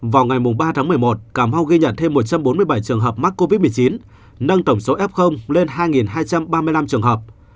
vào ngày ba tháng một mươi một cà mau ghi nhận thêm một trăm bốn mươi bảy trường hợp mắc covid một mươi chín nâng tổng số f lên hai hai trăm ba mươi năm trường hợp